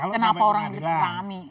kenapa orang itu rame